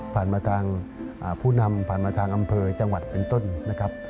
ผ่านมาทางผู้นำผ่านมาทางอำเภอจังหวัดเป็นต้นนะครับ